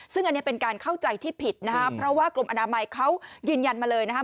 ซึ่งอันนี้เป็นการเข้าใจที่ผิดนะครับเพราะว่ากรมอนามัยเขายืนยันมาเลยนะคะ